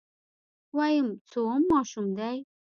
ويم څووم ماشوم دی.